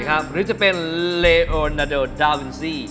หรือจะเป็นเลโอนาโดด้าวินซี่